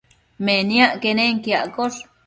Meniac quenenquiaccosh